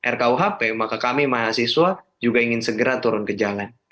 rkuhp maka kami mahasiswa juga ingin segera turun ke jalan